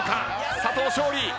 佐藤勝利